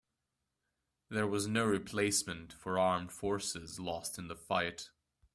There was no replacement for armed forces lost in the fight.